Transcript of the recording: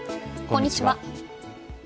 こんにちは。